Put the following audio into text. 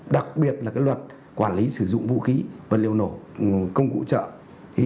đặc biệt là luật quản lý sử dụng vũ khí vật liệu nổ công cụ trợ